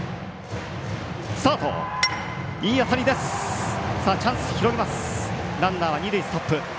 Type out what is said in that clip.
ランナー、二塁ストップ。